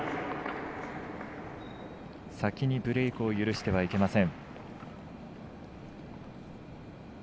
先にブレークを許してはいけません。